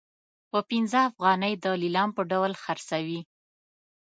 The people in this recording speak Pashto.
په پنځه افغانۍ د لیلام په ډول خرڅوي.